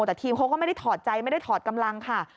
แต่ทีมเขาก็ไม่ได้ถอดใจไม่ได้ถอดกำลังค่ะ